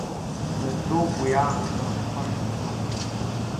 Нанду уи аамҭа лхашҭӡомызт.